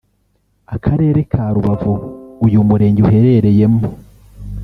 Akarere ka Rubavu uyu murenge uherereyemo